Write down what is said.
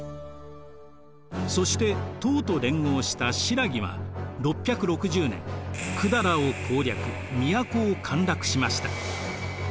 そして唐と連合した新羅は６６０年百済を攻略都を陥落しました。